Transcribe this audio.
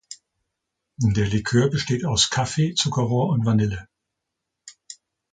Der Likör besteht aus Kaffee, Zuckerrohr und Vanille.